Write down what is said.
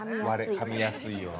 ◆かみやすいように。